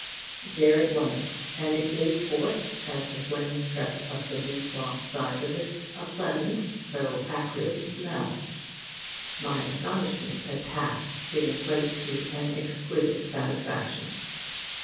There it was. And it gave forth, as the flames crept up the blue cloth sides of it, a pleasant though acrid smell. My astonishment had passed, giving place to an exquisite satisfaction.